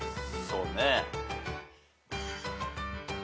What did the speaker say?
そうね。